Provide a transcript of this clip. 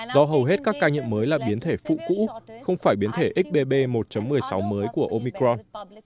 do hầu hết các ca nhiễm mới là biến thể phụ cũ không phải biến thể xbb một một mươi sáu mới của omicron